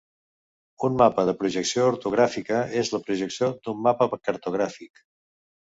Un mapa de projecció ortogràfica és la projecció d'un mapa cartogràfic.